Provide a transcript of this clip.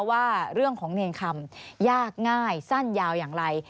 ว่าเรื่องของเนรคำยากง่ายสั้นยาวอย่างไร